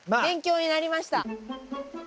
勉強になりました。